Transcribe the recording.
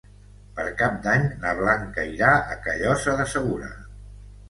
Per Cap d'Any na Blanca irà a Callosa de Segura.